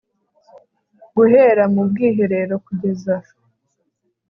guhera mubwiherero kugeza